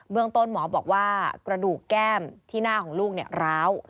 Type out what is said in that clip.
เมืองต้นหมอบอกว่ากระดูกแก้มที่หน้าของลูกร้าว